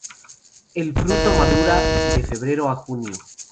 El fruto madura de febrero a junio.